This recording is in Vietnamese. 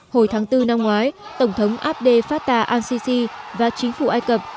hồi tháng bốn năm ngoái tổng thống abdel fatah al sisi và chính phủ ai cập